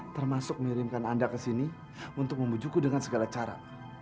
termasuk mengirimkan anda kesini untuk membujuku dengan segala cara